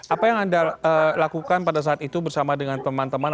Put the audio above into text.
apa yang anda lakukan pada saat itu bersama dengan teman teman